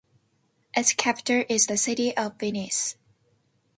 Its capital is the city of Venice.